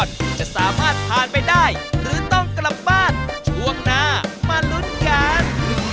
คุณจะสามารถผ่านไปได้หรือต้องกลับบ้านช่วงหน้ามาลุ้นกัน